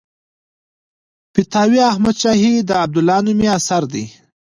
فتاوی احمدشاهي د عبدالله نومي اثر دی.